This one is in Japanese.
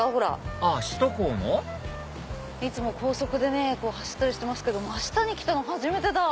あっ首都高のいつも高速で走ってますけど真下に来たの初めてだ。